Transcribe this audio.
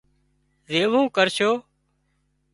زيوون ڪرشو